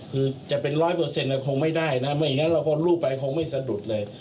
คือจะเป็นร้อยเปอร์เซ็นต์คงไม่ได้นะไม่อย่างนั้นเราก็รูปไปคงไม่สะดุดเลย